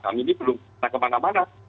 kami ini belum pernah kemana mana